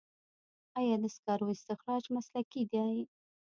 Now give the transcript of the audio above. آیا د سکرو استخراج مسلکي دی؟